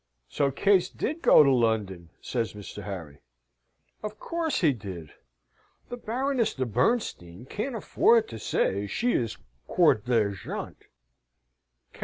"So Case did go to London?" says Mr. Harry. "Of course he did: the Baroness de Bernstein can't afford to say she is court d'argent.